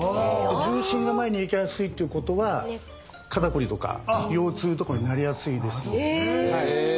重心が前にいきやすいっていうことは肩こりとか腰痛とかになりやすいです。え。